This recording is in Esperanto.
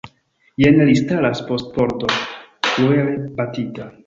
Jen li staras post la pordo, kruele batita!